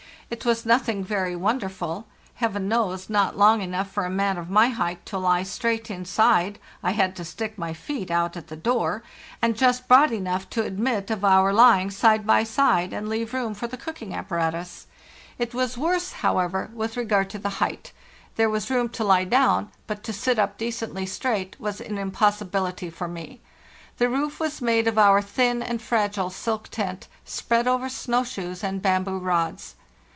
It was nothing very wonderful, WE BUILD.OUR FIRST HUT Heaven knows, not long enough for a man of my height to lie straight inside—I had to stick my feet out at the door—and just broad enough to admit of our lying side by side and leave room for the cooking apparatus. It LANDEAL LAST 391 was worse, however, with regard to the height. There was room to lie down, but to sit up decently straight was an impossibility for me. The roof was made of our thin and fragile silk tent, spread over snow shoes and bamboo rods.